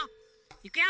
いくよ！